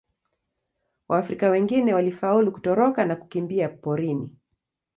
Waafrika wengine walifaulu kutoroka na kukimbia porini.